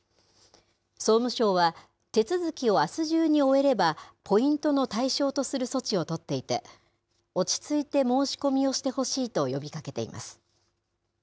総務省は、手続きをあす中に終えれば、ポイントの対象とする措置を取っていて、落ち着いて申し込みをしてほしいと呼びかけています。